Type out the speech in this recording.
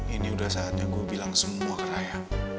ini udah saatnya gue bilang semua ke raya